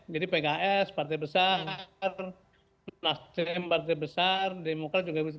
jadi pks partai besar nasrem partai besar demokrat juga bisa